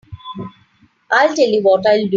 I'll tell you what I'll do.